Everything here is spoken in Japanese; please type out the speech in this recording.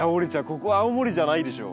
ここ青森じゃないでしょ。